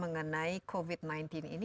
mengenai covid sembilan belas ini